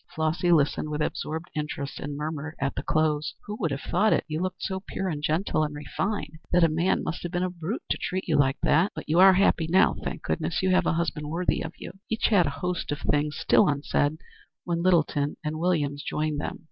Flossy listened with absorbed interest and murmured at the close: "Who would have thought it? You look so pure and gentle and refined that a man must have been a brute to treat you like that. But you are happy now, thank goodness. You have a husband worthy of you." Each had a host of things still unsaid when Littleton and Williams joined them.